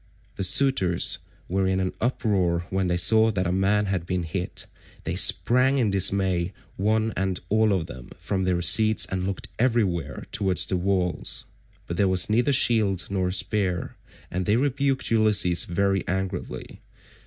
166 The suitors were in an uproar when they saw that a man had been hit; they sprang in dismay one and all of them from their seats and looked everywhere towards the walls, but there was neither shield nor spear, and they rebuked Ulysses very angrily.